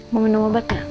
mau minum obat ya